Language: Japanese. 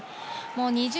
２０